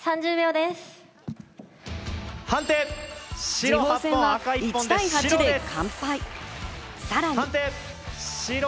次鋒戦は１対８で完敗。